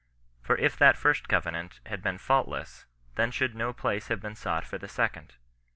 For if that first covenant had been faultless, then should no place have been sought for the second.